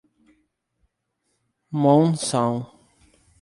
Monção